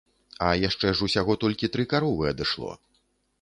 А яшчэ ж усяго толькі тры каровы адышло.